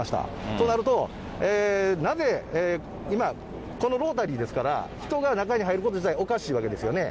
となると、なぜ今、このロータリーですから、人が中に入ること自体、おかしいわけですよね。